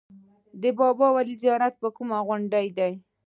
بابای ولي زیارت په کومه غونډۍ دی؟